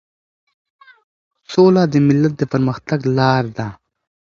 سوله د ملت د پرمختګ لار ده.